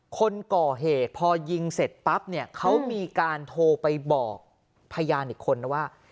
คนก่อเหตุพอยิงเสร็จปั๊บเนี่ยเขามีการโทรไปบอกพยานอีกคนนะว่า